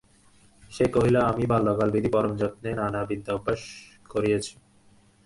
সে কহিল আমি বাল্যকালবিধি পরম যত্নে নানা বিদ্যা অভ্যাস করিয়াছি।